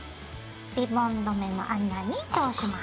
リボン留めの穴に通します。